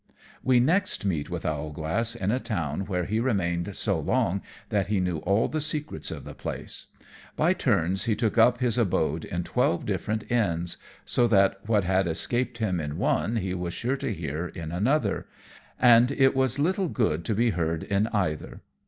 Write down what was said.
_ We next meet with Owlglass in a town where he remained so long that he knew all the secrets of the place. By turns he took up his abode in twelve different inns, so that what had escaped him in one he was sure to hear in another, and it was little good he heard in either.